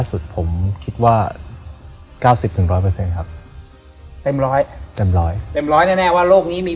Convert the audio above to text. สุดผมคิดว่า๙๐๑๐๐เปอร์เซ็นต์ครับเต็มร้อยแน่ว่าโลกนี้มี